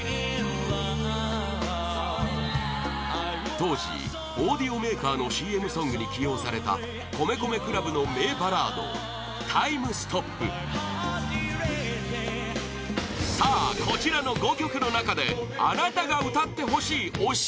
当時、オーディオメーカーのＣＭソングに起用された米米ＣＬＵＢの名バラード「ＴＩＭＥＳＴＯＰ」さあ、こちらの５曲の中であなたが歌ってほしい推し